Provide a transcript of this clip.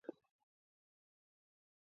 სიმღერას ასრულებს იმპროვიზაცია გიტარაზე.